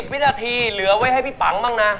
วินาทีเหลือไว้ให้พี่ปังบ้างนะ